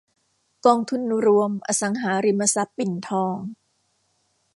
กองทุนรวมอสังหาริมทรัพย์ปิ่นทอง